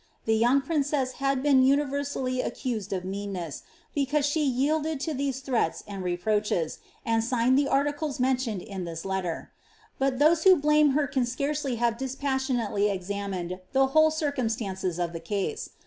The young princess has been universally accused of meanness, because she yielded to these threats and reproaches, and signed the articles mentioned in this letter ; but those who blame her can scarcely have dispassionately examined the whole circumstances of the case.